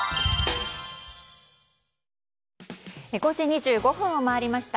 ５時２５分を回りました。